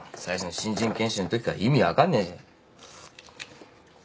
最初の新人研修のときから意味分かんねえし。